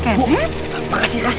ibu makasih ya